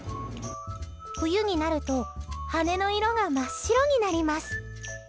冬になると羽の色が真っ白になります。